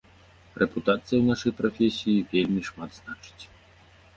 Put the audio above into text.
Рэпутацыя ў нашай прафесіі вельмі шмат значыць.